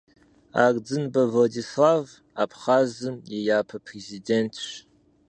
Ардзынбэ Владислав Абхъазым и япэ Президентщ.